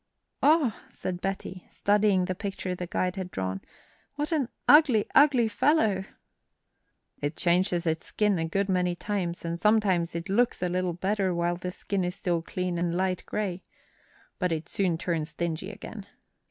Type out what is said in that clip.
"Oh," said Betty, studying the picture the guide had drawn, "what an ugly, ugly fellow!" "It changes its skin a good many times, and sometimes it looks a little better while the skin is still clean and light gray. But it soon turns dingy again.